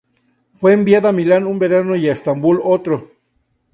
Fue enviada a Milán un verano y a Estambul otro.